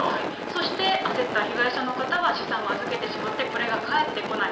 そして焦った被害者の方は資産を預けてしまって、これが返ってこない。